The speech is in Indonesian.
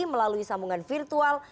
melalui sambungan virtual